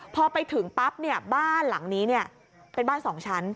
พอไปถึงปั๊บบ้านหลังนี้เป็นบ้าน๒ชั้น